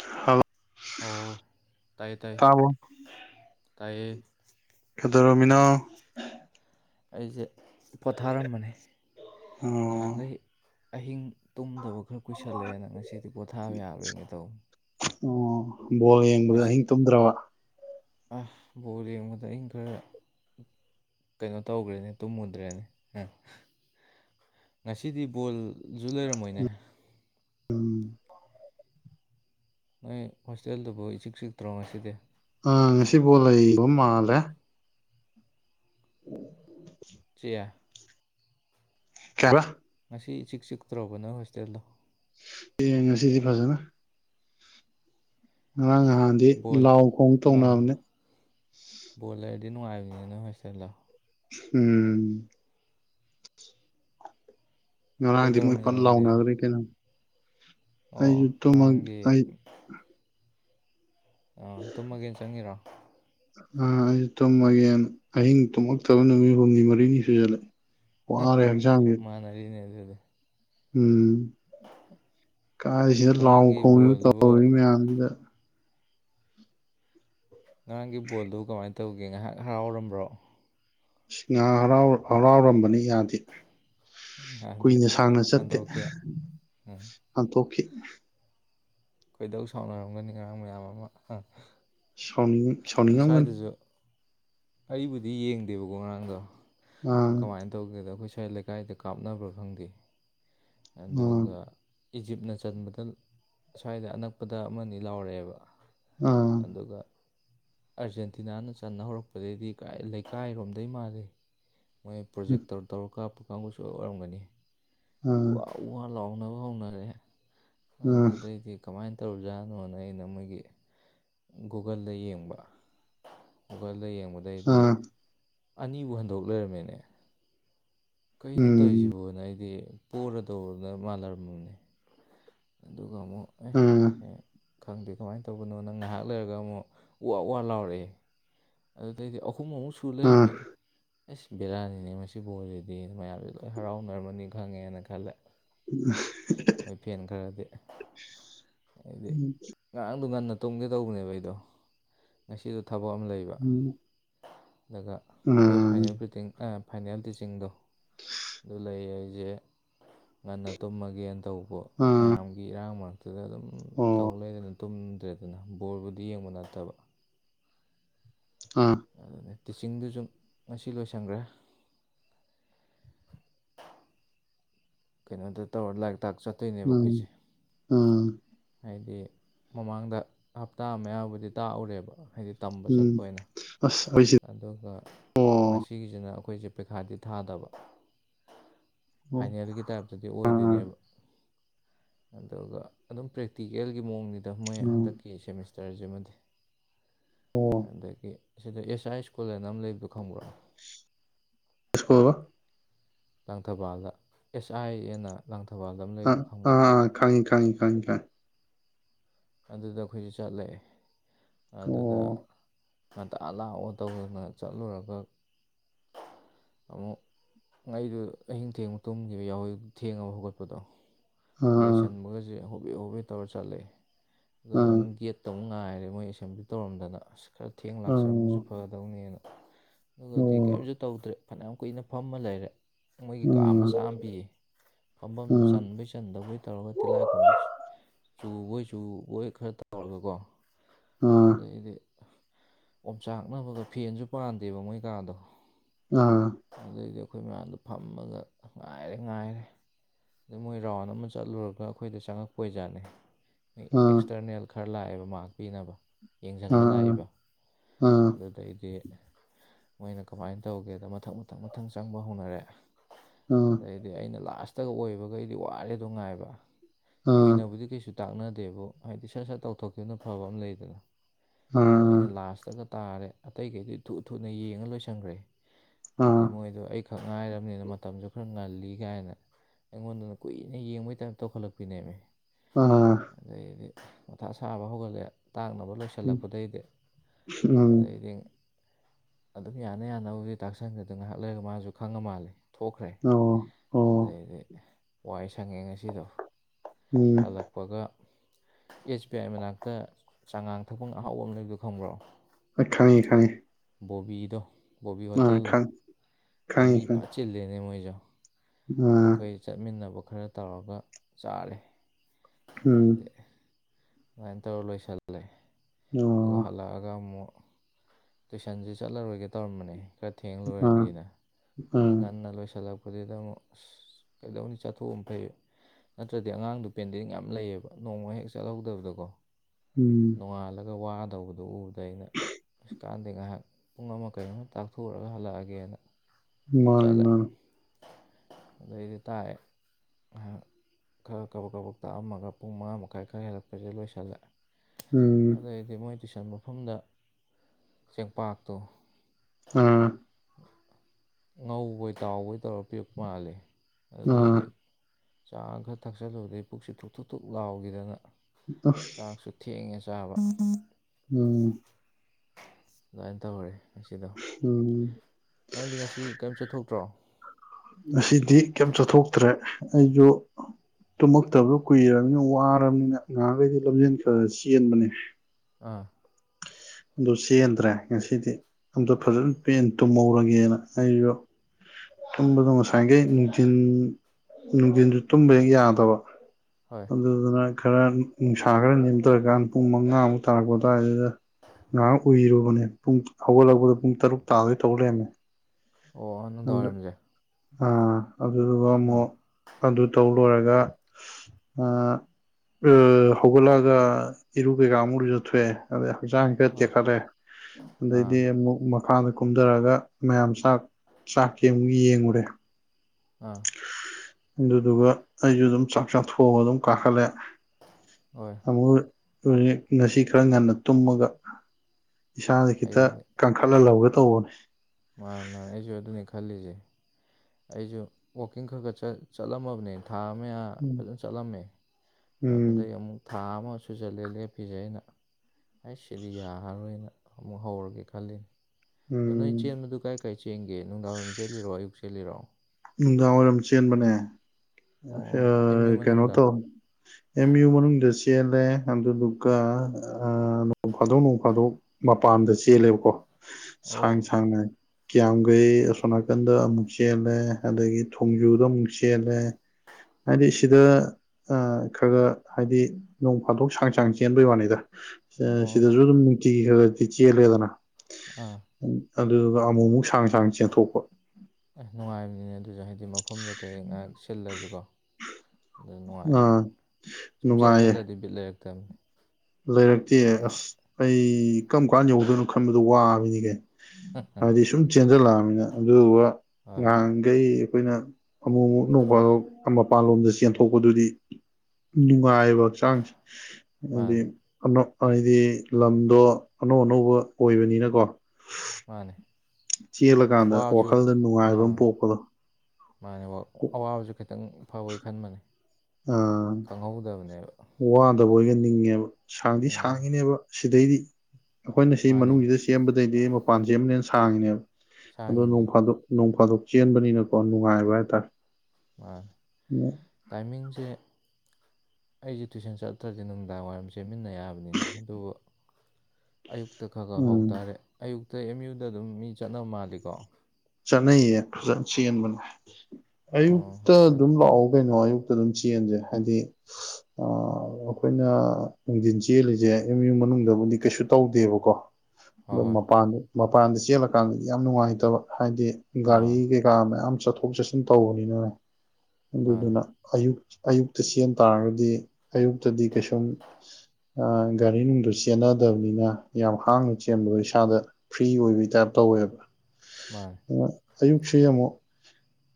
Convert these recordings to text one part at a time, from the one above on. ꯍꯥꯎ ꯑꯣ ꯇꯥꯏꯌꯦ ꯇꯥꯏꯌꯦ ꯇꯥꯕ꯭ꯔꯣ ꯇꯥꯏꯌꯦ ꯀꯩꯗꯧꯔꯝꯃꯤꯅꫭ ꯑꯩꯖꯦ ꯄꯣꯊꯥꯔꯝꯕꯅꯦ ꯅꯍꯥꯟꯒꯩ ꯑꯍꯤꯡ ꯇꯨꯝꯗꯕ ꯈꯔ ꯀꯨꯏꯁꯜꯂꯛꯑꯦꯅ ꯉꯁꯤꯗꯤ ꯄꯣꯊꯥꯕ ꯌꯥꯕ꯭ꯔ ꯌꯦꯡꯒꯦ ꯇꯧꯕ ꯑꯣ ꯕꯣꯜ ꯌꯦꯡꯕꯗ ꯑꯍꯤꯡ ꯇꯨꯝꯗ꯭ꯔꯕ ꯑꯥ ꯕꯣꯜ ꯌꯦꯡꯕꯗ ꯑꯍꯤꯡ ꯈꯔ ꯀꯩꯅꯣ ꯇꯧꯒ꯭ꯔꯦꯅꯦ ꯇꯨꯝꯃꯨꯗ꯭ꯔꯦꯅꯦ ꯑ ꯉꯁꯤꯗꯤ ꯕꯣꯜꯖꯨ ꯂꯩꯔꯝꯃꯣꯏꯅꯦ ꯎꯝ ꯅꯣꯏ ꯍꯣꯁꯇꯦꯜꯗꯨꯕꯨ ꯏꯆꯤꯛ ꯆꯤꯛꯇ꯭ꯔꯣ ꯉꯁꯤꯗꯤ ꯑ ꯉꯁꯤ ꯕꯣꯜ ꯂꯩꯕ ꯃꯥꯜꯂꯦ [unintelligible] ꯆꯦ ꯀꯩ ꯍꯥꯏꯕ ꯉꯁꯤ ꯏꯆꯤꯛ ꯆꯤꯛꯇ꯭ꯔꯣꯕ ꯅꯣꯏ ꯍꯣꯁꯇꯦꯜꯗꯣ ꯑꯦ ꯉꯁꯤꯗꯤ ꯐꯖꯟꯅ ꯉꯔꯥꯡ ꯅꯍꯥꯟꯗꯤ ꯕꯣꯜ ꯂꯥꯎ ꯈꯣꯡ ꯑꯥ ꯇꯧꯅꯕꯅꯦ ꯕꯣꯜ ꯂꯩꯔꯗꯤ ꯅꯨꯡꯉꯥꯏꯕꯅꯤ ꯅꯣꯏ ꯍꯣꯁꯇꯦꯜꯗꯣ ꯎꯝ ꯉꯔꯥꯡꯗꯤ ꯃꯣꯏ ꯀꯩꯗꯧꯔꯝꯃꯤꯅꯣ ꯐꯟ ꯅꯪꯗꯤ ꯂꯥꯎꯅꯒꯔꯦ ꯀꯩꯅꯣ ꯑꯣ ꯑꯩꯁꯨ ꯇꯨꯝꯃ ꯉꯔꯥꯡꯒꯤ ꯑꯩ ꯑꯥ ꯇꯨꯝꯃꯒꯦꯅ ꯆꯪꯉꯤꯔꯣ ꯑꯥ ꯑꯩꯖꯨ ꯇꯨꯝꯃꯒꯦꯅ ꯑꯍꯤꯡ ꯇꯨꯝꯃꯛꯇꯕ ꯅꯨꯃꯤꯠ ꯍꯨꯝꯅꯤ ꯃꯔꯤꯅꯤ ꯁꯨꯖꯜꯂꯦ ꯋꯥꯔꯦ ꯍꯛꯆꯥꯡꯁꯦ ꯃꯥꯟꯅꯔꯤꯅꯦ ꯑꯗꯨꯗꯤ꯫ ꯎꯝ ꯀꯥꯏꯁꯤꯗ ꯂꯥꯎ ꯉꯔꯥꯡꯒꯤ ꯈꯣꯡꯉꯕ ꯕꯣꯜꯗꯨꯕꯨ ꯇꯧꯔꯤ ꯃꯌꯥꯝꯁꯤꯗ꯫ ꯉꯔꯥꯡꯒꯤ ꯕꯣꯜꯗꯨ ꯀꯃꯥꯏ ꯇꯧꯒꯦ ꯉꯍꯥꯛ ꯍꯔꯥꯎꯔꯝꯕ꯭ꯔꯣ꯫ ꯑꯁꯤ ꯉꯍꯥꯛ ꯍꯔꯥꯎ ꯍꯔꯥꯎꯔꯝꯕꯅꯤ ꯌꯥꯗꯦ꯫ ꯍꯥꯟꯗꯤ ꯀꯨꯏꯅ ꯁꯥꯡꯅ ꯆꯠꯇꯦ ꯍꯟꯗꯣꯛꯀꯤ ꯑꯥ ꯍꯥꯡꯇꯣꯛꯈꯤ꯫ ꯈꯣꯏꯗꯧ ꯁꯥꯎꯅꯔꯝꯒꯅꯤ ꯑꯉꯥꯡ ꯃꯌꯥꯝ ꯑꯃ꯫ ꯁꯥꯎꯅꯤꯡ ꯑ ꯁꯥꯎꯅꯤꯡꯉꯝꯒꯅꯤ ꯁ꯭ꯋꯥꯏꯗꯁꯨ ꯑꯩꯕꯨꯗꯤ ꯌꯦꯡꯗꯦꯕꯀꯣ ꯉꯔꯥꯡꯗꯣ ꯑ ꯀꯃꯥꯏꯅ ꯫ ꯇꯧꯗꯦꯗ ꯑꯩꯈꯣꯏ ꯁ꯭ꯋꯥꯏ ꯂꯩꯀꯥꯏꯗ ꯀꯥꯞꯅꯕ꯭ꯔꯥ ꯈꯪꯗꯦ ꯑ ꯑꯗꯨꯒ ꯏꯖꯤꯞꯅ ꯆꯟꯕꯗ ꯁ꯭ꯋꯥꯏꯗ ꯑꯅꯛꯄꯗ ꯑꯃꯅꯤ ꯂꯥꯎꯔꯛꯑꯦꯕ ꯑ ꯑꯗꯨꯒ ꯑꯥꯔꯖꯦꯟꯇꯤꯅꯥꯅ ꯆꯟ ꯍꯧꯔꯛꯄꯗꯩꯗꯤ ꯀꯥꯏ ꯂꯩꯀꯥꯏꯔꯣꯝꯗꯩ ꯃꯥꯥꯜꯂꯦ ꯃꯣꯏ ꯄ꯭ꯔꯣꯖꯦꯛꯇꯔ ꯇꯧꯔ ꯀꯥꯞꯄ ꯀꯥꯡꯕꯨ ꯁꯣꯏ ꯑꯣꯏꯔꯝꯒꯅꯤ ꯑ ꯎꯋꯥꯎ ꯎ -ꯋꯥ ꯂꯥꯎꯅꯕ ꯍꯧꯅꯔꯦꯍꯦ ꯑ ꯑꯗꯨꯗꯩꯗꯤ ꯀꯃꯥꯏꯟ ꯇꯧꯔꯤꯕꯖꯥꯠꯅꯣꯅ ꯑꯩꯅ ꯃꯣꯏꯒꯤ ꯒꯨꯒꯜꯗ ꯌꯦꯡꯕ ꯒꯨꯒꯜꯗ ꯌꯦꯡꯕꯗꯩꯗꯤ ꯑ ꯑꯅꯤꯕꯨ ꯍꯟꯗꯣꯛ ꯂꯩꯔꯝꯃꯦꯅꯦ꯫ ꯀꯩꯅꯣ ꯎꯝ ꯇꯧꯔꯤꯁꯤꯕꯣꯅ ꯑꯩꯗꯤ ꯄꯔ ꯇꯧꯅ ꯃꯥꯜꯂꯝꯔꯕꯅꯦ꯫ ꯑꯗꯨꯒ ꯑꯃꯨꯛ ꯍꯦꯛ꯫ ꯑ ꯈꯪꯗꯦ ꯀꯃꯥꯏꯅ ꯇꯧꯕꯅꯣ ꯅꯪ ꯉꯥꯏꯍꯥꯛ ꯂꯩꯔꯒ ꯑꯃꯨꯛ ꯎꯋꯥ ꯋꯥ ꯂꯥꯎꯔꯛꯑꯦ꯫ ꯑꯗꯨꯗꯩꯗꯤ ꯑꯍꯨꯝ ꯑꯃꯨꯛ ꯁꯨ ꯂꯩꯔꯝꯃꯦ꯫ ꯑꯦꯁ ꯕꯤꯔꯌꯥꯅꯤꯅꯦ ꯃꯁꯤꯕꯣꯜ ꯁꯤꯗꯤ ꯃꯌꯥꯝꯁꯦ ꯂꯣꯏ ꯍꯔꯥꯎꯅꯔꯝꯃꯅꯤ ꯈꯪꯉꯦꯅ ꯈꯜꯂꯦ꯫ [unintelligible] ꯃꯣꯏ ꯐꯦꯟ ꯈꯔꯗꯤ ꯑꯩꯗꯤ꯫ ꯉꯔꯥꯡꯗꯣ ꯉꯟꯅ ꯇꯨꯝꯒꯦ ꯇꯧꯕꯅꯦꯕ ꯑꯩꯗꯣ ꯉꯁꯤꯗꯣ ꯊꯕꯛ ꯑꯃ ꯂꯩꯕ ꯎꯝ꯫ ꯑꯗꯨꯒ ꯑꯩꯈꯣꯏ ꯐꯥꯏꯅꯦꯜ ꯇꯤꯆꯤꯡ ꯐꯥꯏꯅꯦꯜ ꯇꯤꯆꯤꯡꯗꯣ꯫ ꯑꯗꯨ ꯂꯩꯌꯦ ꯑꯩꯁꯦ ꯉꯟꯅ ꯇꯨꯝꯃꯒꯦꯅ ꯇꯧꯕ꯫ ꯑꯗꯣ ꯑ ꯃꯌꯥꯝꯒꯤ ꯏꯔꯥꯡ ꯃꯔꯛꯇꯨꯗ ꯑꯗꯨꯝ ꯑꯣ ꯇꯧ ꯂꯩꯗꯅ ꯇꯨꯝꯗ꯭ꯔꯦ ꯑꯗꯨꯅ ꯕꯣꯜꯕꯨꯗꯤ ꯌꯦꯡꯕ ꯅꯠꯇꯕ꯫ ꯑꯥ꯫ ꯑꯗꯨꯅꯤ ꯇꯨꯢꯁꯟꯗꯨꯁꯨ ꯉꯁꯤ ꯂꯣꯏꯁꯟꯒ꯭ꯔꯦ꯫ ꯀꯩꯅꯣꯗ ꯇꯧꯔ ꯂꯥꯏꯔꯤꯛ ꯇꯥꯛ ꯆꯠꯇꯣꯏꯅꯦꯕ ꯎꯝ ꯑꯩꯈꯣꯏꯁꯦ꯫ ꯎꯝ ꯍꯥꯏꯗꯤ ꯃꯃꯥꯡꯗ ꯍꯞꯇꯥ ꯑꯃ ꯃꯌꯥꯕꯨꯗꯤ ꯇꯥꯛꯎꯔꯦꯕ ꯍꯥꯏꯗꯤ꯫ ꯇꯝꯕ ꯆꯠꯄ ꯎꯝ ꯑꯣꯏꯅ꯫ ꯑꯁ ꯑꯩꯁꯤ ꯑꯗꯨꯒ ꯑꯣ ꯉꯁꯤꯒꯤꯖꯤꯅ ꯑꯩꯈꯣꯏꯖꯦ ꯄꯩꯈꯥꯗꯤ ꯊꯥꯗꯕ ꯑꯣ ꯐꯥꯏꯅꯦꯜꯒꯤ꯫ ꯇꯥꯏꯞꯇꯗꯤ ꯑ ꯑꯣꯏꯗꯣꯏꯅꯦꯕ ꯑꯗꯨꯒ ꯑꯗꯨꯝ ꯄ꯭ꯔꯦꯛꯇꯤꯀꯦꯜꯒꯤ ꯃꯑꯣꯡꯅꯤ ꯃꯣꯏ ꯎꯝ ꯍꯟꯗꯛꯀꯤ ꯁꯦꯃꯤꯁ꯫ ꯆꯔꯁꯤꯃꯗꯤ ꯑꯣ ꯑꯗꯒꯤ ꯑꯁꯤꯗ ꯑꯦꯁ ꯑꯥꯏ ꯁ꯭ꯀꯨꯜ ꯑꯅ ꯑꯃ ꯂꯩꯕꯗꯣ ꯈꯪꯕ꯭ꯔꯣ꯫ ꯏꯁꯀꯨꯜ ꯑꯕ꯫ ꯂꯥꯡꯊꯕꯥꯜꯗ ꯑꯦꯁ ꯑꯥꯏ ꯑꯦꯅ꯫ ꯂꯥꯡꯊꯕꯂꯝ ꯑꯃ꯫ ꯑ ꯂꯩꯕꯗꯣ ꯈꯪꯕ꯭ꯔꯣ ꯑꯥꯥ ꯈꯪꯢ ꯈꯪꯏ ꯈꯪꯏ ꯈꯪꯏ꯫ ꯑꯗꯨꯗ ꯑꯩꯈꯣꯏꯁꯨ ꯆꯠꯂꯑꯦ ꯑꯗꯨꯗ꯫ ꯑꯣ ꯉꯥꯡꯇ ꯂꯥꯛꯑꯣ ꯇꯧꯗꯅ ꯆꯠꯂꯨꯔꯒ ꯑꯃꯨꯛ꯫ ꯑꯩꯗꯨ ꯑꯍꯤꯡ ꯊꯦꯡꯕ ꯇꯨꯝꯗ꯭ꯔꯤꯌꯦ ꯍꯧꯖꯤꯛ ꯊꯦꯡꯉꯕ ꯍꯧꯒꯠꯄꯗꯣ꯫ ꯑꯥ ꯂꯩꯁꯟꯕꯒꯁꯦ ꯍꯣꯕꯤ ꯍꯣꯕꯤ ꯇꯧꯔ ꯆꯠꯂꯦ꯫ ꯑꯗꯨꯒ ꯑꯥ ꯑꯃꯨꯛ ꯒꯦꯠꯇ ꯑꯃꯨꯛ ꯉꯥꯏꯔꯦ ꯃꯣꯏ ꯑꯦꯁꯦꯝꯕ꯭ꯂꯤ ꯇꯧꯔꯝꯗꯅ ꯑꯁ ꯈꯔ ꯊꯦꯡ ꯑꯥ ꯑꯣ ꯂꯥꯛꯆꯔꯝꯝꯕꯁꯨ ꯐ꯫ ꯀꯗꯧꯅꯦꯅ ꯑꯗꯨꯒꯗꯤ ꯀꯔꯤꯝꯁꯨ ꯇꯧꯗ꯭ꯔꯦ ꯐꯅꯌꯥꯝ ꯀꯨꯏꯅ ꯐꯝꯃ ꯂꯩꯔꯦ꯫ ꯃꯣꯏꯒꯤ ꯑꯥ ꯑꯥ ꯑꯥ ꯀꯥ ꯃꯆꯥ ꯑꯃ ꯄꯤꯌꯦ ꯐꯝꯐꯝꯗꯨ ꯆꯟꯕꯩ ꯆꯟꯗꯕꯩ ꯇꯧꯔꯒ ꯇꯤꯜꯍꯥꯏꯈꯣꯝꯕꯤ ꯆꯨꯕꯣꯏ ꯆꯨꯕꯣꯏ ꯈꯔ ꯇꯧꯔꯒꯀꯣ ꯑꯥ ꯑꯗꯗꯒꯤꯗꯤ ꯑꯣꯝꯆꯥꯛꯅꯕꯒ ꯐꯦꯟꯁꯨ ꯄꯥꯟꯗꯦꯕ ꯃꯣꯏ ꯀꯥꯗꯣ ꯑꯥ ꯑꯗꯨꯗꯩꯗꯤ ꯑꯩꯈꯣꯏ ꯃꯌꯥꯝꯗꯣ ꯐꯝꯃꯒ ꯉꯥꯏꯔꯦ ꯉꯥꯏꯔꯦ꯫ ꯑꯗ ꯃꯣꯏ ꯔꯥꯎꯟ ꯑꯃ ꯆꯠꯂꯨꯔꯒ ꯑꯩꯈꯣꯏꯗ ꯆꯪꯉꯛꯄ ꯑꯣꯏꯖꯥꯠꯅꯤ ꯑꯥ ꯑꯦꯛꯁꯇꯔꯅꯦꯜ ꯈꯔ ꯂꯥꯛꯑꯦꯕ ꯃꯥꯛ ꯄꯤꯅꯕ ꯑꯥ ꯌꯦꯡꯁꯤꯪꯕ ꯑꯥ ꯂꯥꯛꯏꯕ ꯑꯥ ꯑꯗꯨꯗꯩꯗꯤ ꯃꯣꯏꯅ ꯀꯃꯥꯏꯅ ꯇꯧꯒꯦꯗ ꯃꯊꯛ ꯃꯊꯪ ꯃꯊꯪ ꯆꯪꯕ ꯍꯧꯅꯔꯦ ꯑꯣ ꯑꯗꯩ꯫ ꯑꯗꯩ ꯑꯩꯅ ꯂꯥꯁꯇꯒ ꯑꯣꯏꯕꯈꯩꯗꯤ ꯋꯥꯔꯦꯗꯣ ꯉꯥꯏꯕ ꯀꯨꯏꯅꯕꯨꯗꯤ ꯀꯩꯁꯨ ꯇꯥꯛꯅꯗꯦ꯫ ꯗꯦꯕꯨ ꯍꯥꯏꯗꯤ ꯁꯔ ꯁꯔ ꯇꯧꯊꯣꯛꯀꯤꯕꯅ ꯐꯕ ꯑꯃ ꯂꯩꯗꯅ ꯑꯗꯣ ꯑꯩꯅ ꯂꯥꯁꯇꯒ ꯇꯥꯔꯦ ꯑꯇꯩꯈꯩꯗꯤ ꯊꯨ ꯊꯨꯅ ꯌꯦꯡꯉ ꯂꯣꯏꯁꯟꯒ꯭ꯔꯦ ꯑꯗꯨꯗꯩ ꯃꯣꯏꯗꯣ ꯑꯩ ꯈꯛ ꯉꯥꯏꯔꯕꯅꯤꯅ ꯃꯇꯝꯁꯨ ꯈꯔ ꯉꯜꯂꯤ ꯀꯥꯏꯅ꯫ ꯑꯩꯉꯣꯟꯗꯅ ꯀꯨꯏꯅ ꯌꯦꯡꯕꯩ ꯇꯥꯏꯞ ꯇꯧꯈꯠꯂꯛꯄꯤꯅꯦꯃꯦ꯫ ꯑꯥ꯫ ꯑꯗꯩꯗꯤ ꯄꯊꯥ ꯁꯥꯕ ꯍꯧꯒꯠꯂꯦ ꯇꯥꯡꯅꯕ ꯂꯩꯁ꯫ ꯁꯜꯂꯛꯄꯗꯩꯗꯤ ꯑꯗꯩꯗꯤ꯫ ꯑꯗꯨꯝ ꯌꯥꯅ ꯌꯥꯅꯕꯕꯨꯗꯤ ꯇꯥꯛꯁꯟꯈ꯭ꯔꯦꯗ ꯉꯥꯏꯍꯥꯛ ꯂꯩꯔꯒ ꯃꯥꯁꯨ ꯈꯪꯉ ꯃꯥꯜꯂꯦ ꯊꯣꯛꯈ꯭ꯔꯦ ꯑꯣ ꯑꯗꯩꯗꯤ ꯋꯥꯏ ꯁꯪꯉꯦ ꯉꯁꯤꯗꯣ ꯎꯝ ꯍꯜꯂꯛꯄꯒ ꯑꯦꯁ ꯕꯤ ꯑꯥꯏ ꯃꯅꯥꯛꯇ ꯆꯥꯉꯥꯡ ꯊꯛꯄ ꯑꯍꯥꯎꯕ ꯑꯃ ꯂꯩꯕꯗꯣ ꯈꯪꯕ꯭ꯔꯣ ꯑ ꯈꯪꯉꯤ ꯈꯪꯉꯤ꯫ ꯕꯣꯕꯤꯗꯣ ꯕꯣꯕꯤ ꯑꯥ ꯍꯣꯇꯦꯜꯗꯣ ꯈꯪ ꯑꯗꯣ ꯈꯪꯉꯤ ꯃꯤ ꯈꯪꯉꯤ ꯆꯤꯜꯂꯤꯦꯅꯦ ꯃꯣꯏꯁꯨ ꯑꯥ ꯑꯩꯈꯣꯏ ꯆꯠꯃꯤꯟꯅꯕ ꯈꯔ ꯇꯧꯔꯒ ꯆꯥꯔꯦ ꯎꯝ ꯑꯩꯗꯤ ꯑꯗꯨꯃꯥꯏꯅ ꯇꯧꯔ ꯂꯣꯏꯁꯤꯜꯂꯦ ꯑꯣ ꯍꯥꯜꯂꯑꯒ ꯃ ꯇꯨꯏꯁꯟꯖꯤ ꯆꯠꯂꯔꯣꯏꯒꯦ ꯇꯧꯔꯝꯕꯅꯦ ꯈꯔ ꯊꯦꯡ ꯑꯥ ꯂꯣꯏꯔꯗꯤꯅ ꯑꯗꯨ ꯑꯥ ꯉꯟꯅ ꯂꯣꯏꯁꯤꯜꯂꯛ ꯑꯗꯨꯗ ꯑꯃꯨꯛ ꯀꯩꯗꯧꯅꯤ ꯆꯥꯊꯣꯛꯑꯝ ꯐꯩꯌꯦ꯫ ꯅꯠꯇ꯭ꯔꯗꯤ ꯑꯉꯥꯡꯗꯨ ꯄꯦꯟꯗꯤꯡ ꯌꯥꯝ ꯂꯩꯌꯦꯕ ꯅꯣꯡꯃ ꯍꯦꯛ ꯆꯠꯍꯧꯗꯕꯗꯀꯣ ꯎꯝ ꯅꯣꯡꯉꯥꯜꯂꯒ ꯋꯥꯗꯧꯕꯗꯣ ꯎꯕꯗ ꯑꯩꯅ [unintelligible] ꯑꯛꯀꯥꯟꯗꯤ ꯉꯥꯏꯍꯥꯛ ꯄꯨꯡ ꯑꯃ ꯀꯩꯅꯣꯝ ꯇꯥꯛꯊꯣꯛꯎꯨꯔꯒ ꯍꯜꯂꯛꯑꯒꯦꯅ ꯃꯥꯅꯦ ꯃꯥꯅꯦ ꯂꯩ ꯂꯩꯇꯥꯏ ꯉꯥꯏꯍꯥꯛ ꯈꯔ ꯀꯕꯛ ꯀꯕꯛ ꯇꯥꯛꯑꯝꯃꯒ ꯄꯨꯡ ꯃꯉꯥ ꯃꯈꯥꯏ ꯈꯔ ꯍꯦꯜꯂꯛꯄꯁꯤ ꯂꯣꯏꯁꯤꯜꯂꯑꯦ ꯎꯝ ꯑꯗꯨꯏꯗꯤ ꯃꯣꯏ ꯇꯨꯏꯁꯟ ꯃꯐꯝꯗ ꯆꯦꯡꯄꯥꯛꯇꯣ ꯎꯝ ꯉꯧꯕꯣꯏ ꯇꯥꯎꯕꯣꯏ ꯇꯧꯔ ꯄꯤꯔꯛꯄ ꯃꯥꯜꯂꯦ ꯑꯥ ꯑꯗꯨꯗꯩꯗꯤ ꯆꯥ ꯈꯔ ꯊꯛꯆꯜꯂꯨꯕꯗꯩ ꯄꯨꯛꯁꯤ ꯊꯨꯛ ꯊꯨꯛ ꯊꯨꯛ ꯂꯥꯎꯒꯤꯗꯅ ꯇꯁ ꯆꯥꯛꯁꯨ ꯊꯦꯡꯉꯦ ꯆꯥꯕ ꯎꯝ ꯑꯗꯨꯃꯥꯏꯅ ꯇꯧꯈꯔꯦ ꯉꯁꯤꯗꯣ ꯎꯝ ꯅꯪꯗꯤ ꯉꯁꯤ ꯀꯔꯤꯝ ꯆꯠꯊꯣꯛꯇ꯭ꯔꯣ ꯉꯁꯤꯗꯤ ꯀꯩꯝ ꯆꯠꯊꯣꯛꯇ꯭ꯔꯦ ꯑꯩꯁꯨ ꯇꯨꯝꯃꯛꯇꯕ ꯀꯨꯏꯔꯝꯃꯤꯅ ꯋꯥꯔꯝꯅꯤꯅ ꯉꯍꯥꯂꯩꯗꯦ ꯂꯝꯖꯦꯟ ꯈꯔ ꯆꯦꯟꯕꯅꯦ ꯑꯥ ꯑꯗꯨ ꯆꯦꯟꯗ꯭ꯔꯦ ꯉꯁꯤꯗꯤ ꯑꯝꯇ ꯐꯖꯅ ꯄꯦꯟ ꯇꯨꯝꯍꯧꯔꯒꯦꯅ ꯑꯩꯁꯨ ꯇꯨꯝꯕꯗꯣ ꯉꯁꯥꯏꯒꯩ ꯅꯨꯡꯊꯤꯟ ꯅꯨꯡꯗꯤꯟꯖꯨ ꯇꯨꯝꯕ ꯍꯦꯛ ꯌꯥꯗꯕ ꯍꯣꯏ ꯑꯗꯨꯗꯨꯅ ꯈꯔ ꯅꯨꯡꯁꯥ ꯈꯔ ꯅꯦꯝꯊꯔꯀꯥꯟꯗ ꯄꯨꯡ ꯃꯉꯥꯃꯨꯛ ꯇꯥꯔꯛꯄ ꯑꯗꯨꯋꯥꯏꯗꯨꯗ ꯉꯥꯏꯍꯥꯛ ꯎꯏꯔꯨꯕꯅꯦ ꯄꯨꯡ ꯍꯧꯒꯠꯂꯛꯄꯗ ꯄꯨꯡ ꯇꯔꯨꯛ ꯇꯥꯗꯣꯏ ꯇꯧꯔ ꯂꯩꯔꯝꯃꯦ ꯑꯣ ꯅꯨꯡꯗꯥꯋꯥꯏꯔꯝꯁꯦ ꯑ ꯑꯗꯨꯗꯨꯒ ꯑꯃꯣꯛ ꯑꯗꯨ ꯇꯧ ꯂꯣꯏꯔꯒ ꯑ ꯑ ꯍꯧꯒꯂꯒ ꯏꯔꯨ ꯀꯩꯀ ꯑꯃꯨꯛ ꯂꯨꯖꯊꯣꯛꯑꯦ ꯑꯗꯩ ꯍꯛꯆꯥꯡ ꯈꯔ ꯍꯣꯏ ꯇꯦꯛꯈꯠꯂꯦ ꯑꯥ ꯑꯗꯩꯗꯤ ꯑꯃꯨꯛ ꯃꯈꯥꯗ ꯀꯨꯝꯊꯔꯒ ꯃꯌꯥꯝ ꯥꯇꯛ ꯆꯥꯛꯀ ꯑꯃꯨꯛ ꯌꯦꯡꯉꯨꯔꯦ ꯑꯥ ꯑꯗꯨꯗꯨꯒ ꯑꯩꯁꯨ ꯑꯗꯨꯝ ꯆꯥꯛ ꯆꯥꯛꯊꯣꯡꯑꯉꯒ ꯑꯗꯨꯝ ꯀꯥꯈꯠꯂꯦ ꯍꯣꯏ ꯋꯥ ꯔꯣꯔꯤꯛ ꯉꯁꯤ ꯈꯔ ꯉꯟꯅ ꯇꯨꯝꯃꯒ ꯏꯁꯥꯖꯦ ꯈꯤꯇ ꯍꯌꯦꯡꯗꯤ ꯀꯟꯈꯠꯍꯜꯍꯧꯒꯦ ꯇꯧꯕꯅꯦ ꯃꯥꯏ ꯃꯥꯏ ꯑꯩꯖꯨ ꯑꯗꯨꯅꯤ ꯈꯜꯂꯤꯖꯦ ꯑꯩꯁꯨ ꯋꯥꯛꯀꯤꯡ ꯈꯔ ꯈꯔ ꯆꯠ ꯆꯠꯂꯝꯃꯕꯅꯦ ꯊꯥ ꯑꯃ ꯃꯌꯥ ꯎꯝ ꯐꯖꯅ ꯆꯠꯂꯝꯃꯦ ꯎꯝ ꯑꯗꯨꯗꯒꯤ ꯑꯃꯨꯛ ꯊꯥ ꯑꯃ ꯁꯨꯖꯜꯂꯛꯑꯦ ꯂꯦꯞꯄꯤꯁꯦ ꯑꯩꯅ ꯑꯩꯏꯁ ꯁꯤꯗꯤ ꯌꯥꯔꯔꯣꯏꯅ ꯑꯃꯨꯛ ꯍꯧꯔꯒꯦ ꯈꯜꯂꯤꯅꯤ ꯑ ꯅꯣꯏ ꯎꯝ ꯆꯦꯟꯕꯗꯨ ꯀꯥꯏ ꯀꯥꯏ ꯆꯦꯡꯒꯦ ꯅꯨꯡꯗꯥꯡꯋꯥꯏꯔꯝ ꯆꯦꯜꯂꯤꯔꯣ ꯑꯌꯨꯛ ꯆꯦꯜꯂꯤꯔꯣ ꯫ ꯅꯨꯡꯗꯥꯡꯋꯥꯏꯔꯝ ꯆꯦꯟꯕꯅꯦ ꯑ ꯑꯣ ꯑꯦꯝ ꯌꯨ ꯀꯩꯅꯣ ꯃꯅꯨꯡꯗ ꯇꯧ ꯑꯦꯝ ꯌꯨ ꯃꯅꯨꯡꯗ ꯆꯦꯜꯂꯦ ꯑꯗꯨꯗꯨꯒ ꯑ ꯅꯣꯡ ꯐꯥꯗꯣꯛ ꯅꯣꯡ ꯐꯥꯗꯣꯛ ꯃꯄꯥꯟꯗ ꯆꯦꯜꯂꯦꯕꯀꯣ ꯑꯣ ꯁꯥꯡ ꯁꯥꯡꯅ ꯀꯌꯥꯝꯒꯩ ꯑꯁꯣꯝ ꯅꯥꯀꯟꯗ ꯑꯃꯨꯛ ꯆꯦꯜꯂꯦ ꯑꯗꯒꯤ ꯊꯣꯡꯖꯨꯗ ꯑꯃꯨꯛ ꯆꯦꯜꯂꯦ ꯍꯥꯏꯗꯤ ꯁꯤꯗ ꯑ ꯈꯔ ꯍꯥꯏꯗꯤ ꯅꯣꯡ ꯐꯥꯗꯣꯛ ꯁꯥꯡ ꯁꯥꯡ ꯆꯦꯟꯕꯩ ꯋꯥꯅꯤꯗ ꯑꯣ ꯁꯤꯗꯖꯨ ꯑꯗꯨꯝ ꯅꯨꯡꯇꯤꯒꯤ ꯈ꯭ꯔꯗꯤ ꯆꯦꯜꯂꯦꯗꯅ ꯑꯝ ꯑꯗꯨꯗꯨꯒ ꯑꯃꯨꯛ ꯃꯨꯛ ꯁꯥꯡ ꯁꯥꯡ ꯆꯦꯟꯊꯣꯛꯄ ꯑ ꯅꯨꯡꯉꯥꯏꯕꯅꯤꯅꯦ ꯑꯗꯨꯁꯨ ꯍꯥꯏꯗꯤ ꯃꯐꯝꯗꯣ ꯀꯩ ꯉꯥꯏꯍꯥꯛ ꯁꯤꯜꯂꯁꯨꯀꯣ ꯑꯗ ꯑꯥ ꯅꯨꯡꯉꯥꯏꯔꯤꯃꯦ ꯁꯨꯝ ꯆꯦꯟꯖꯜꯂꯗꯤ ꯕꯤꯠ ꯂꯩꯔꯛꯇꯝꯅꯤ ꯂꯩꯔꯛꯇꯦ ꯑꯁ ꯑꯩ ꯀꯔꯝ ꯀꯥꯟꯗ ꯌꯧꯗꯣꯏꯅꯣ ꯈꯟꯕꯗꯣ ꯋꯥꯃꯤꯅꯤ ꯀꯦ ꯍꯥꯏꯕꯗꯤ ꯁꯨꯝ ꯆꯦꯟꯖꯜꯂꯛꯑꯃꯤꯅ ꯑꯗꯨꯒ ꯍꯣꯏ ꯉꯍꯥꯟꯈꯩ ꯑꯩꯈꯣꯏꯅ ꯑꯃꯨꯛ ꯑꯃꯨꯛ ꯅꯣꯡꯐꯗꯣꯛ ꯃꯄꯥꯟꯂꯣꯝꯗ ꯆꯦꯟꯊꯣꯛꯄꯗꯨꯗꯤ ꯅꯨꯡꯉꯥꯏꯕ ꯃꯇꯥꯡꯁꯦ ꯍꯥꯏꯗꯤ ꯃꯥꯅꯤ ꯍꯥꯏꯗꯤ ꯂꯝꯗꯣ ꯑꯅꯧ ꯑꯅꯧꯕ ꯑꯣꯏꯕꯅꯤꯅꯀꯣ ꯫ ꯃꯥꯅꯦ ꯆꯦꯜꯂꯀꯥꯟꯗ ꯋꯥꯈꯜꯗ ꯅꯨꯡꯉꯥꯏꯕ ꯑꯥ ꯑꯃ ꯄꯣꯛꯄꯗꯣ ꯃꯥꯅꯦ ꯋꯥ ꯑꯋꯥꯕꯁꯨ ꯈꯤꯇꯪ ꯐꯕꯣꯏ ꯈꯟꯕꯅꯦ ꯈꯪꯍꯧꯗꯕꯅꯦꯕ ꯋꯥꯗꯕ ꯑꯣꯏꯒ ꯅꯤꯡꯉꯦꯕ ꯁꯥꯡꯗꯤ ꯎꯝ ꯁꯥꯡꯉꯤꯅꯦꯕ ꯁꯤꯗꯩꯗꯤ ꯑꯈꯣꯏꯅ ꯁꯤ ꯃꯥꯅꯦ ꯃꯅꯨꯡꯖꯤꯗ ꯑꯦꯝꯕꯗꯩꯗꯤ ꯃꯄꯥꯟ ꯖꯦꯝꯕꯅꯦ ꯁꯥꯡꯉꯤꯅꯦꯕ ꯑꯗꯣ ꯅꯣꯡ ꯁꯥꯡꯉꯤꯅꯦ ꯐꯥꯗꯣꯛ ꯅꯣꯡ ꯐꯥꯗꯣꯛ ꯆꯦꯟꯕꯅꯤꯅꯀꯣ ꯅꯨꯡꯉꯥꯏꯕ ꯍꯥꯏꯇꯥꯔꯦ ꯃꯥꯟꯅꯦ ꯇꯥꯏꯃꯤꯡꯁꯦ ꯑꯩꯖꯤ ꯇꯨꯏꯁꯟ ꯆꯠꯇ꯭ꯔꯗꯤ ꯅꯨꯝꯗꯥꯡ ꯋꯥꯏꯔꯝ ꯆꯦꯟꯃꯤꯟꯅ ꯌꯥꯕꯅꯤꯅꯦ ꯑꯗꯨꯕꯣ ꯑꯌꯨꯛꯇ ꯈꯥ ꯈꯥ ꯎꯝ ꯍꯧꯇꯥꯥꯔꯦ ꯑꯌꯨꯛꯇ ꯑꯦꯝ ꯌꯨꯗ ꯑꯗꯨꯝ ꯃꯤ ꯆꯠꯅꯕ ꯃꯥꯜꯂꯤꯀꯣ ꯆꯠꯅꯩꯌꯦ ꯐꯖꯅꯥ ꯆꯦꯟꯕꯅꯦ ꯑꯣ ꯑꯌꯨꯛꯇ ꯑꯁ ꯑꯗꯨꯝ ꯂꯥꯛꯑꯣ ꯀꯩꯅꯣ ꯑꯌꯨꯛ ꯑꯗꯨꯝ ꯆꯦꯟꯁꯦ ꯍꯥꯏꯗꯤ ꯑꯩꯈꯣꯏꯅ ꯅꯨꯡꯊꯤꯟ ꯆꯦꯜꯂꯤꯁꯦ ꯑꯦꯝ ꯌꯨ ꯃꯅꯨꯡꯗ ꯗꯤ ꯀꯩꯁꯨ ꯇꯧꯗꯦꯕꯀꯣꯒꯗꯣ ꯍꯣꯏ ꯍꯣꯏ ꯃꯄꯥꯟꯗ ꯃꯄꯥꯟꯗ ꯆꯦꯜꯂꯀꯥꯟꯗꯗꯤ ꯌꯥꯝ ꯅꯨꯡꯉꯥꯏꯇꯕ ꯫ ꯍꯥꯏꯗꯤ ꯑꯥ ꯒꯥꯔꯤ ꯀꯩꯀꯥ ꯃꯌꯥꯝ ꯆꯠꯊꯣꯛ ꯆꯠꯁꯤꯟ ꯇꯧꯕꯅꯤꯅꯑꯦ ꯃꯥꯅꯦ ꯑꯗꯨꯗꯨꯅ ꯑꯌꯨꯛ ꯑꯌꯨꯛꯇ ꯆꯟ ꯇꯥꯔꯒꯗꯤ ꯑꯌꯨꯛꯇꯗꯤ ꯀꯩꯁꯨꯝ ꯒꯥꯔꯤꯅꯨꯡꯗꯨ ꯆꯦꯟꯅꯗꯕꯅꯤꯅ ꯌꯥꯝ ꯍꯥꯡꯅ ꯆꯦꯟꯕꯗꯣ ꯏꯁꯥꯗ ꯐ꯭ꯔꯤ ꯑꯣꯏꯕꯒꯤ ꯇꯥꯏꯞ ꯇꯧꯋꯦꯕ ꯃꯥꯅꯦ [unintelligible] ꯑ ꯑꯌꯨꯛꯁꯦ ꯑꯃꯨꯛ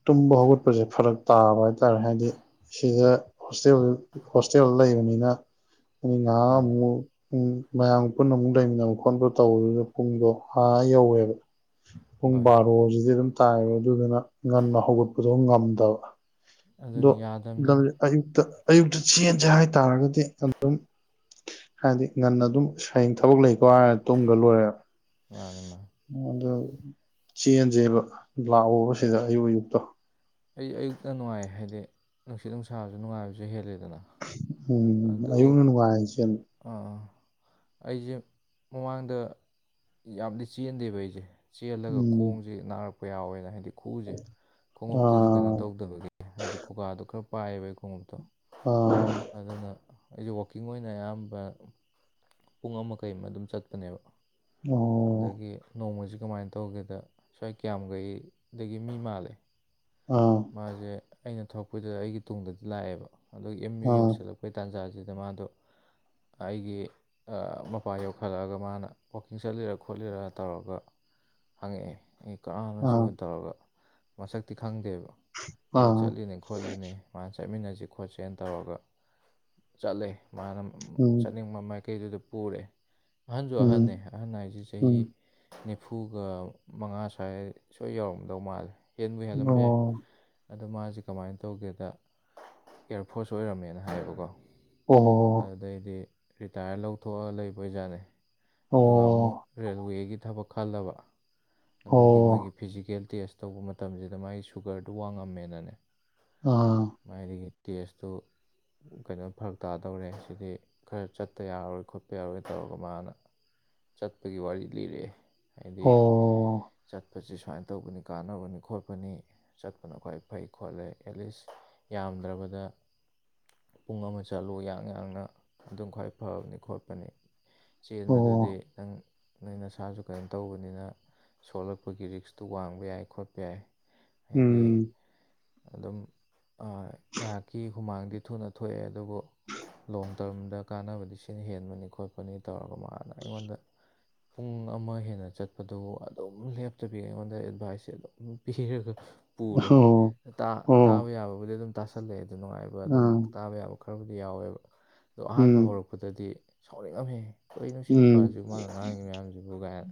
ꯇꯨꯝꯕ ꯍꯧꯒꯠꯄꯖꯦ ꯐꯔꯛ ꯇꯥꯕ ꯍꯥꯏꯗꯤ__ [unintelligible] ꯇꯥꯔꯣꯏ ꯍꯥꯏꯗꯤ ꯁꯤꯗ ꯍꯣꯁꯇꯦꯜ ꯍꯣꯁꯇꯦꯜ ꯂꯩꯕꯅꯤꯅ ꯎꯝ ꯉꯍꯥꯛ ꯃꯥꯅꯦ ꯑꯃꯨꯛ ꯎꯝ ꯃꯌꯥꯝꯒ ꯄꯨꯟꯅ ꯑꯃꯨꯛ ꯂꯩꯃꯤꯟꯅꯕ [unintelligible] ꯇꯧꯕꯗꯨꯅ ꯄꯨꯡꯗꯣ ꯑꯥ ꯌꯧꯋꯦꯕ ꯍꯣꯏ ꯕꯥꯔꯣꯖꯤꯗꯤ ꯑꯗꯨꯝ ꯇꯥꯏꯌꯦꯕ ꯑꯗꯨꯗꯨꯅ ꯉꯟꯅ ꯍꯧꯒꯠꯄꯖꯦ ꯑꯩ ꯉꯝꯗꯕ ꯑꯗꯣ ꯑꯗꯨꯅꯤ ꯅꯪ ꯌꯥꯗꯕꯅꯤꯅꯦ ꯑꯌꯨꯛꯇ ꯑꯌꯨꯛꯇ ꯆꯦꯟꯖꯦ ꯍꯥꯏꯇꯥꯥꯔꯒꯗꯤ ꯑꯗꯨꯝ ꯍꯥꯏꯗꯤ ꯉꯟꯅ ꯑꯗꯨꯝ ꯍꯌꯦꯡ ꯊꯕꯛ ꯂꯩꯀꯣ ꯍꯥꯏꯔ ꯇꯨꯝꯒꯔ ꯂꯣꯏꯔꯦ ꯃꯥꯅꯦ ꯃꯥ ꯑꯗꯣ ꯆꯦꯟꯁꯦꯕ ꯂꯥꯛꯑꯣꯕ ꯑꯩ ꯁꯤꯗ ꯑꯌꯨꯛ ꯑꯌꯨꯛꯇꯣ ꯑꯩ ꯑꯌꯨꯛꯇ ꯅꯨꯡꯉꯥꯏ ꯍꯥꯏꯗꯤ ꯅꯨꯡꯁꯤꯠ ꯅꯨꯡꯁꯥꯕꯁꯨ ꯅꯨꯡꯉꯥꯏꯕꯁꯨ ꯍꯦꯜꯂꯦꯗꯅ ꯎꯝ ꯑꯌꯨꯛꯅ ꯅꯨꯡꯉꯥꯏ ꯆꯦꯟꯕ ꯑꯥꯥ ꯑꯩꯁꯦ ꯃꯃꯥꯡꯗ ꯌꯥꯝꯗꯤ ꯆꯦꯟꯗꯦꯕ ꯑꯩꯁꯦ ꯆꯦꯜꯂꯒ ꯎꯝ ꯈꯣꯡꯁꯦ ꯅꯥꯔꯛꯄ ꯌꯥꯎꯋꯦꯅ ꯍꯥꯏꯗꯤ ꯈꯨꯎꯁꯦ ꯈꯣꯡꯎꯞꯇꯨꯁꯨ ꯀꯩꯅꯣ ꯑꯥ ꯇꯧꯗꯕꯒꯤ ꯍꯥꯏꯗꯤ ꯈꯨꯀꯥꯗꯣ ꯈꯔ ꯄꯥꯏꯕ ꯑꯩ ꯈꯣꯡꯎꯞꯇꯣ ꯑꯥ ꯑꯗꯨꯅ ꯑꯩꯁꯨ ꯋꯥꯛꯀꯤꯡ ꯑꯣꯏꯅ ꯑꯌꯥꯝꯕ ꯄꯨꯡ ꯑꯃ ꯀꯩꯑꯃ ꯑꯗꯨꯝ ꯆꯠꯄꯅꯦꯕ ꯑꯣ ꯑꯗꯒꯤ ꯅꯣꯡꯃꯖꯨ ꯀꯃꯥꯏꯅ ꯇꯧꯒꯦꯗ ꯁ꯭ꯋꯥꯏ ꯀꯤꯌꯥꯝꯒꯩꯗꯒꯤ ꯃꯤ ꯃꯥꯜꯂꯦ ꯑꯥ ꯃꯥꯖꯦ ꯑꯩꯅ ꯊꯣꯔꯛꯄꯩꯗꯨꯗ ꯑꯩꯒꯤ ꯇꯨꯡꯗꯗꯤ ꯂꯥꯛꯑꯦꯕ ꯑꯗꯒꯤ ꯑꯦꯝ ꯌꯨ ꯑꯥ ꯌꯧꯁꯜꯂꯛꯄ__ [unintelligible] [unintelligible] ꯇꯥꯟꯖꯥꯁꯤꯗ ꯃꯥꯗꯣ ꯑꯩꯒꯤ [unintelligible] ꯑ ꯃꯄꯥ ꯌꯧꯈꯠꯂꯛꯑꯒ ꯃꯥꯅ ꯋꯥꯛꯀꯤꯡ ꯆꯠꯂꯤꯔ ꯈꯣꯠꯂꯤꯔ ꯇꯧꯔꯒ ꯍꯪꯉꯛꯑꯦ ꯑꯩ ꯀꯅꯥꯅꯣ ꯑꯥ ꯁꯤꯕꯨ ꯇꯧꯔꯒ ꯃꯁꯛꯇꯤ ꯈꯪꯗꯦꯕ ꯑꯗꯨꯗ ꯑꯥ ꯆꯠꯂꯤꯅꯦ ꯈꯣꯠꯂꯤꯅꯦ ꯃꯥ ꯆꯠꯃꯤꯟꯅꯖꯦ ꯈꯣꯠꯁꯦꯅ ꯇꯧꯔꯒ ꯆꯠꯂꯦ ꯃꯥꯅ ꯃꯃ ꯎꯝ ꯆꯠꯅꯤꯡꯕ ꯃꯥꯏꯀꯩꯗꯨꯗ ꯄꯨꯔꯦ ꯑꯍꯟꯁꯨ ꯎꯝ ꯑꯍꯟꯅꯦ ꯑꯍꯟ ꯍꯥꯏꯁꯤ ꯎꯝ ꯆꯍꯤ ꯅꯦꯐꯨꯒ ꯃꯉꯥ ꯁ꯭ꯋꯥꯏ ꯁꯣꯏ ꯌꯧꯔꯝꯒꯗꯧ ꯃꯥꯜꯂꯦ ꯍꯦꯟꯕꯨ ꯍꯦꯜꯂꯝꯕ ꯑꯣ ꯌꯥꯏ ꯑꯗꯣ ꯃꯥꯖꯤ ꯀꯃꯥꯏꯟ ꯇꯧꯒꯦꯗ ꯑꯦꯌꯥꯔꯐꯣꯔꯁ ꯑꯣꯏꯔꯝꯃꯦꯅ ꯍꯥꯏꯌꯦꯕꯀꯣ ꯑꯣ ꯑꯗꯨꯗꯩꯗꯤ ꯔꯤꯇꯥꯌꯔ ꯂꯧꯊꯣꯛꯑ ꯂꯩꯕ ꯑꯣꯏꯖꯥꯠꯅꯦ ꯑꯗꯨꯒ ꯑꯣ ꯑꯃꯨꯛ ꯔꯦꯜꯋꯦꯒꯤ ꯊꯕꯛ ꯈꯜꯂꯕ ꯑꯗꯨꯒꯤ ꯃꯣꯏꯒꯤ ꯑꯣ ꯐꯤꯖꯤꯀꯦꯜ ꯇꯦꯁ ꯇꯧꯕ ꯃꯇꯝꯖꯤꯗ ꯃꯥꯒꯤ ꯁꯨꯒꯔꯗꯨ ꯋꯥꯡꯉꯝꯃꯦꯅꯅꯦ__ ꯑꯥ ꯃꯥꯏꯗꯒꯤ ꯇꯦꯁꯇꯨ ꯀꯩꯅꯣ ꯐꯔꯛ ꯇꯥꯗꯧꯔꯦ ꯁꯤꯗꯤ ꯈꯔ ꯆꯠꯇ ꯌꯥꯔꯔꯣꯏ ꯈꯣꯠꯇ ꯌꯥꯔꯔꯣꯏ ꯇꯧꯔꯒ ꯃꯥꯅ ꯆꯠꯄꯒꯤ ꯋꯥꯔꯤ ꯂꯤꯔꯛꯑꯦ ꯍꯥꯏꯗꯤ ꯑꯣ ꯆꯠꯄꯁꯤ ꯁꯨꯃꯥꯏ ꯇꯧꯕꯅꯤ ꯀꯥꯟꯅꯕꯅꯤ ꯈꯣꯠꯄꯅꯤ ꯆꯠꯄꯅ ꯈ꯭ꯋꯥꯏ ꯐꯩ ꯈꯣꯠꯂꯦ ꯑꯦꯠꯂꯤꯁ ꯌꯥꯝꯗ꯭ꯔꯕꯗ ꯄꯨꯡ ꯑꯃ ꯆꯠꯂꯨ ꯌꯥꯡ ꯌꯥꯡꯅ ꯑꯗꯨꯝ ꯈ꯭ꯋꯥꯏ ꯐꯕꯅꯤ ꯈꯣꯠꯄꯅꯤ ꯆꯦꯟꯕꯗꯨꯗꯤ ꯑꯣ ꯅꯪ ꯅꯪ ꯅꯁꯥꯁꯨ ꯀꯩꯅꯣ ꯇꯧꯕꯅꯤꯅ ꯁꯣꯛꯂꯛꯄꯒꯤ ꯔꯤꯛꯁꯇꯨ ꯋꯥꯡꯕ ꯌꯥꯏ ꯈꯣꯠꯄ ꯌꯥꯏ ꯍꯥꯏꯗꯤ ꯎꯝ ꯑꯗꯨꯝ ꯑ ꯉꯥꯏꯍꯥꯛꯀꯤ ꯍꯨꯃꯥꯡꯗꯤ ꯊꯨꯅ ꯊꯣꯛꯑꯦ ꯑꯗꯨꯕꯨ ꯂꯣꯡ ꯇ꯭ꯔꯝꯗ ꯀꯥꯟꯅꯕꯗꯤ ꯁꯤꯅ ꯍꯦꯟꯕꯅꯤ ꯈꯣꯠꯄꯅꯤ ꯇꯧꯔꯒ ꯃꯥꯅ ꯑꯩꯉꯣꯟꯗ ꯄꯨꯡ ꯑꯃ ꯍꯦꯟꯅ ꯆꯠꯄꯗꯨ ꯋꯥ__ [unintelligible] ꯑꯗꯨꯝ ꯂꯦꯞꯇꯕꯤ ꯑꯩꯉꯣꯟꯗ ꯑꯦꯗꯚꯥꯏꯁꯁꯦ ꯑꯗꯨꯝ ꯄꯤꯔꯒ__ [unintelligible] ꯄꯨꯔꯦ ꯑꯣ ꯇꯥ ꯇꯥꯕ ꯑꯣ ꯌꯥꯕꯕꯨꯗꯤ ꯑꯗꯨꯝ ꯇꯥꯁꯜꯂꯛꯑꯦ ꯑꯗꯨ ꯅꯨꯡꯉꯥꯏꯕ ꯑꯗꯨꯝ ꯑꯥ ꯇꯥꯕ ꯌꯥꯕ__ ꯈꯔꯕꯨꯗꯤ ꯌꯥꯎꯋꯦꯕ ꯑꯗꯣ ꯑꯍꯥꯟꯕ ꯎꯝ ꯍꯧꯔꯛꯄꯗꯗꯤ ꯁꯥꯎꯅꯤꯡ ꯉꯝꯃꯦ ꯀꯩꯅꯣ ꯁꯤ ꯎꯝ ꯅꯨꯄꯥꯁꯤꯕꯨ ꯃꯥꯅ ꯉꯥꯡꯉꯤ ꯃꯌꯥꯝꯁꯤꯕꯨ ꯀꯥꯏꯅ